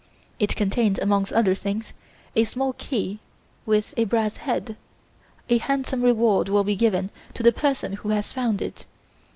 It contained, amongst other things, a small key with a brass head. A handsome reward will be given to the person who has found it.